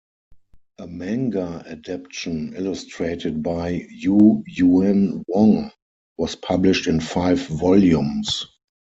A manga adaptation illustrated by Yu Yuen Wong was published in five volumes.